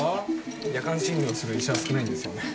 夜間診療をする医者は少ないんですよね？